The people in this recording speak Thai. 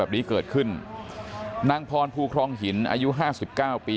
แบบนี้เกิดขึ้นนางพรภูครองหินอายุ๕๙ปี